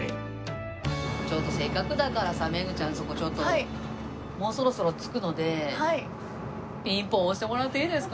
ちょっとせっかくだからさメグちゃんそこちょっともうそろそろ着くのでピンポン押してもらっていいですか？